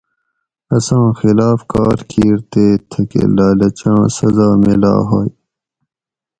اساں خلاف کار کیر تے تھکہ لالچاں سزا میلا ھوئے